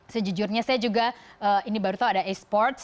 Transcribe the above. sejujurnya saya juga ini baru tahu ada e sports